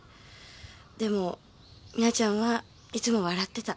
でも実那ちゃんはいつも笑ってた。